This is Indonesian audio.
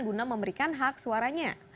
guna memberikan hak suaranya